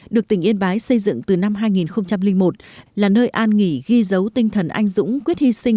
được tỉnh yên bái xây dựng từ năm hai nghìn một là nơi an nghỉ ghi dấu tinh thần anh dũng quyết hy sinh